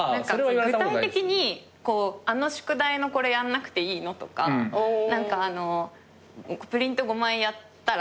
具体的に「あの宿題のこれやんなくていいの？」とか「プリント５枚やったら？」とか。